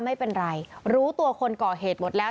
ไม่เป็นไรรู้ตัวคนก่อเหตุหมดแล้ว